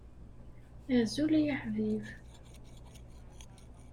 Azul a aḥbib!